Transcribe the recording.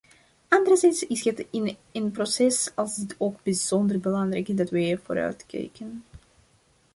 Anderzijds is het in een proces als dit ook bijzonder belangrijk dat wij vooruitkijken.